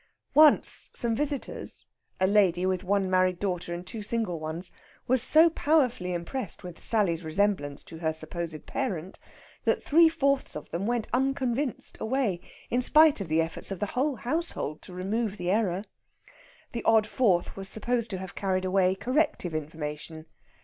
Once some visitors a lady with one married daughter and two single ones were so powerfully impressed with Sally's resemblance to her supposed parent that three fourths of them went unconvinced away, in spite of the efforts of the whole household to remove the error. The odd fourth was supposed to have carried away corrective information.